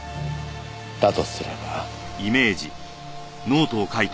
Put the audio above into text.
「だとすれば」。